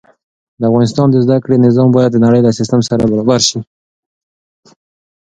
د افغانستان د زده کړې نظام باید د نړۍ له سيستم سره برابر شي.